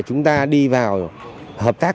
lực tế luận phòngies